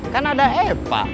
kan ada epa